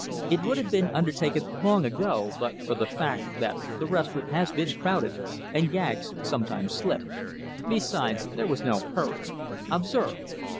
It would have been undertaken long ago but for the fact that the restaurant has been crowded and gags sometimes slip. Besides, there was no hurry. Observe!"